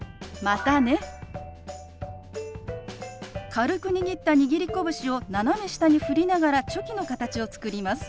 軽く握った握り拳を斜め下に振りながらチョキの形を作ります。